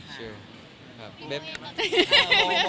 ครับเบ๊บ